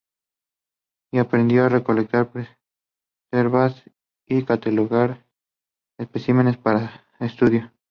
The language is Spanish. Y aprendió a recolectar, preservar y catalogar especímenes para estudio.